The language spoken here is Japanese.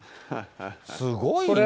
すごいな。